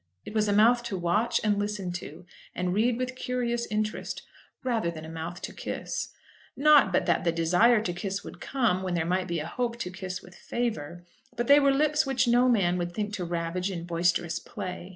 It was a mouth to watch, and listen to, and read with curious interest, rather than a mouth to kiss. Not but that the desire to kiss would come, when there might be a hope to kiss with favour; but they were lips which no man would think to ravage in boisterous play.